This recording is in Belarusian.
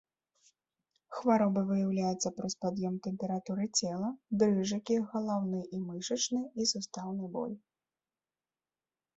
Хвароба выяўляецца праз пад'ём тэмпературы цела, дрыжыкі, галаўны, мышачны і сустаўны боль.